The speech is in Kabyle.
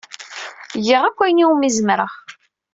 Giɣ akk ayen iwumi zemreɣ.